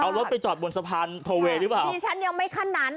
เอารถไปจอดบนสะพานโทเวย์หรือเปล่าดิฉันยังไม่ขั้นนั้น